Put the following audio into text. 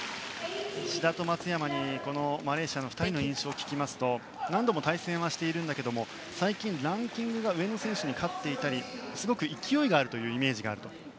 志田と松山にこのマレーシアの２人の印象を聞きますと何度も対戦はしているんだけど最近、ランキングが上の選手に勝っていたりすごく勢いがあるイメージがあると。